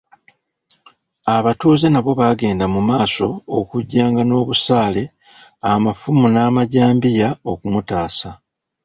Abatuuze nabo baagenda mu maaso okujja nga n'obusaale, amafumu n'amajambiya okumutaasa.